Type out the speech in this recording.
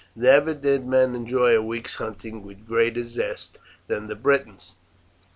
Never did men enjoy a week's hunting with greater zest than the Britons.